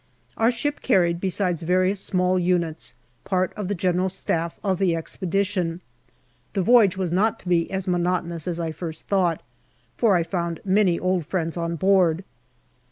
Our ship carried, besides various small units, part of the General Staff of the Expedition. The voyage was not to be as monotonous as I first thought, for I found many old friends on board.